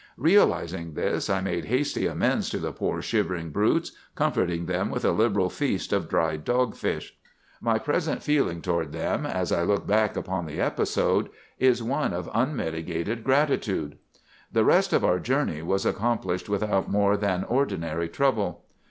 "Realizing this, I made hasty amends to the poor, shivering brutes, comforting them with a liberal feast of dried dogfish. "My present feeling toward them, as I look back upon the episode, is one of unmitigated gratitude. "The rest of our journey was accomplished without more than ordinary trouble.